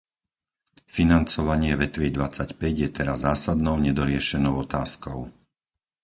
Financovanie vetvy dvadsaťpäť je teraz zásadnou nedoriešenou otázkou.